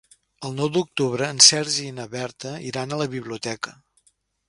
El nou d'octubre en Sergi i na Berta iran a la biblioteca.